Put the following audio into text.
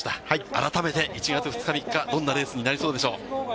改めて、１月２日、３日、どんなレースになりそうでしょう？